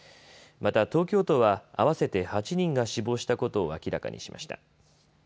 また東京都は合わせて８人が死亡したことを明らかにしました。